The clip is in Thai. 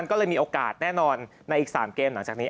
โอกาสแน่นอนในอีก๓เกมหลังจากนี้